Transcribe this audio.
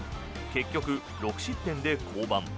結局、６失点で降板。